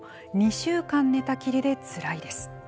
２週間、寝たきりでつらいです。